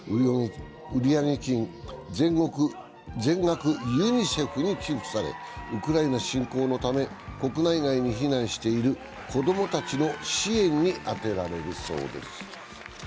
売上金、全額、ユニセフに寄付されウクライナ侵攻のため国内外に避難している子供たちの支援に充てられるそうです。